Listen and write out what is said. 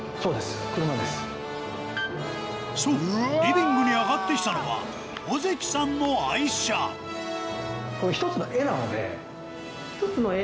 そうリビングに上がってきたのは尾関さんの愛車一つの絵。